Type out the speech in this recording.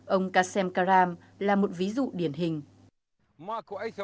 ông qasem karam là một ví dụ điển hình